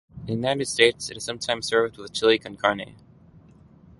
In the United States, it is sometimes served with chili con carne.